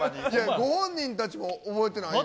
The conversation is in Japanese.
ご本人たちも覚えてないです